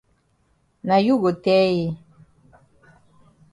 Na you go tell yi.